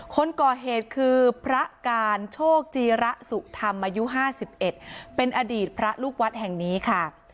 คนก่อเหตุคือพระการโชคจีระสุธรรมอายุ๕๑เป็นอดีตพระลูกวัดแห่งนี้ค่ะ